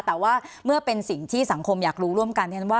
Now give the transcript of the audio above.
แต่ว่าเมื่อเป็นสิ่งที่สังคมอยากรู้ร่วมกันว่า